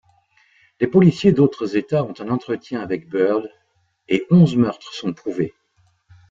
Des policiers d'autres États ont un entretien avec Bird, et onze meurtres sont prouvés.